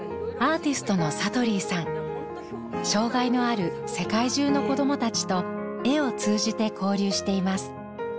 障がいのある世界中の子どもたちと絵を通じて交流しています。